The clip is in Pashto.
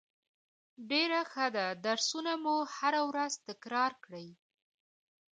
ډیره ښه ده درسونه مو هره ورځ تکرار کړئ